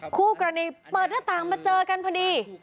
คู่กรณีเปิดหน้าต่างมาเจอกันพอดี